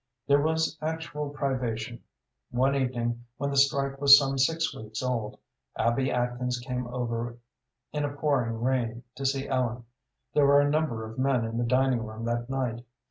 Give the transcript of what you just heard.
There was actual privation. One evening, when the strike was some six weeks old, Abby Atkins came over in a pouring rain to see Ellen. There were a number of men in the dining room that night.